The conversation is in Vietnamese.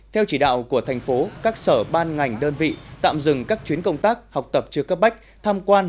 theo chỉ đạo của thành phố các sở ban ngành đơn vị tạm dừng các chuyến công tác học tập chưa cấp bách tham quan